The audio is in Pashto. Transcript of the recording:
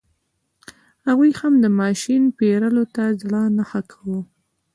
هغوی هم د ماشین پېرلو ته زړه نه ښه کاوه.